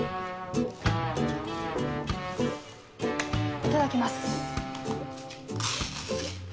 いただきます。